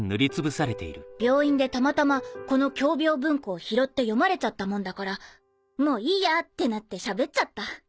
病院でたまたまこの共病文庫を拾って読まれちゃったもんだからもういいやってなってしゃべっちゃった。